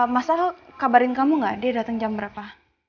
masa kabarin kamu gak dia datang jam berapa